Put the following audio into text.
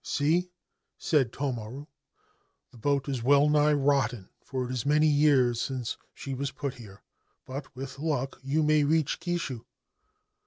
' See/ said Tomaru :' the boat is well nigh rotten for it is many years since she was put here ; but with lucl you may reach Kishu.